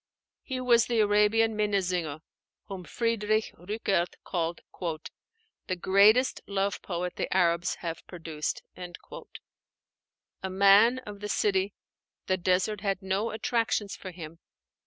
He was the Arabian Minnesinger, whom Friedrich Rückert called "the greatest love poet the Arabs have produced." A man of the city, the desert had no attractions for him.